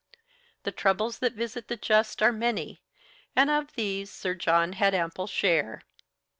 The troubles that visit the just are many, and of these Sir John had ample share.